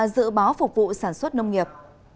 có phục vụ sản xuất nông nghiệp